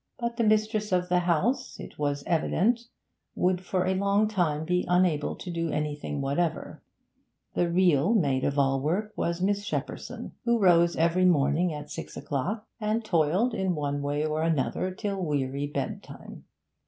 But the mistress of the house, it was evident, would for a long time be unable to do anything whatever; the real maid of all work was Miss Shepperson, who rose every morning at six o'clock, and toiled in one way or another till weary bedtime.